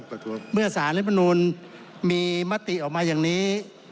ครับเมื่อสารวัฒนธรรมนูลมีมติออกมาอย่างนี้